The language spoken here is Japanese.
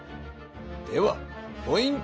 ではポイント